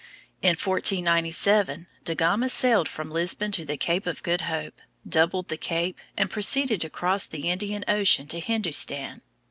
In 1497 Da Gama sailed from Lisbon to the Cape of Good Hope, doubled the cape, and proceeded across the Indian Ocean to Hindustan.